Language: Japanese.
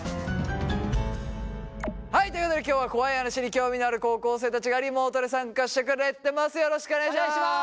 はいということで今日は怖い話に興味のある高校生たちがリモートで参加してくれてます。